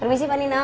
permisi pak nino